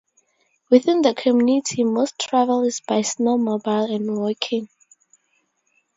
Within the community, most travel is by snowmobile and walking.